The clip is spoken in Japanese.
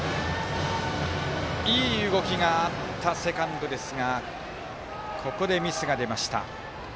いい動きがあったセカンドですがここでミスが出ました。